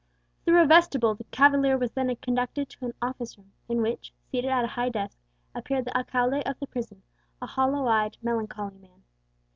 Through a vestibule the cavalier was then conducted to an office room, in which, seated at a high desk, appeared the alcalde of the prison, a hollow eyed, melancholy man.